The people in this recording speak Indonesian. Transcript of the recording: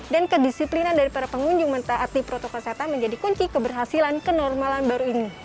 dan kedisiplinan dari para pengunjung mentah adli protokol setan menjadi kunci keberhasilan kenormalan baru ini